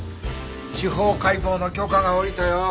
司法解剖の許可が下りたよ。